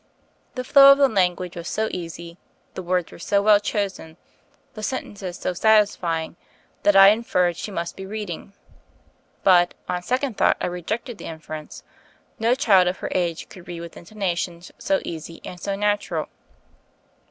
The flow of the language was so easy, the words were so well chosen, the sen tences so satisfying that I inferred she must be reading. But, on second thought, I rejected the inference: no child of her age could read with intonations so easy and so natural.